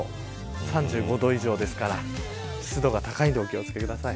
３５度以上ですから湿度が高いのでお気を付けください。